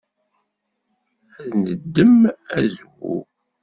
Ad d-neddem azwu.